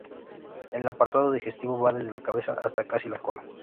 El aparato digestivo va desde la cabeza hasta casi la cola.